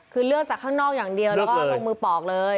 คือเลือกจากข้างนอกอย่างเดียวแล้วก็ลงมือปอกเลย